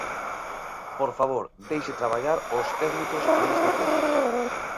Por favor, deixe traballar os técnicos neste tema.